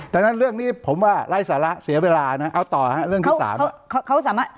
ดังนั้นเรื่องนี้ผมว่าไร้สาระเสียเวลานะเอาต่อฮะเรื่องที่สาม